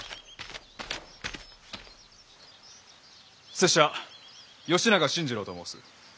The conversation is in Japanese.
拙者吉永新二郎と申す。